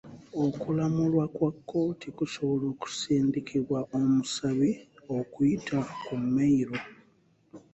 Okulamulwa kwa kkooti kusobola okusindikibwa omusabi okuyita ku meyiro.